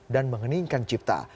dan mengeningkan cipta